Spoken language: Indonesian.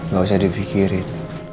gak usah dipikirin